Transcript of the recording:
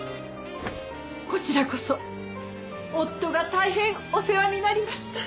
こちらこそ夫が大変お世話になりました。